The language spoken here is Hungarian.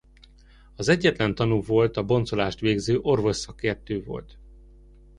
Az egyetlen tanú volt a boncolást végző orvosszakértő volt.